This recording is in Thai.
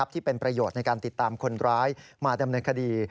ที่เป็นประโยชน์ในการติดตามคนร้ายมาดำเนินคดี